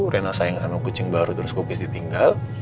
rena sayang sama kucing baru terus kukis ditinggal